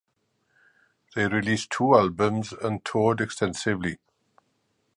They released two albums and toured extensively.